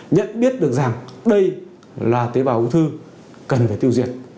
nhận biết được rằng đây là tế bào ung thư cần phải tiêu diệt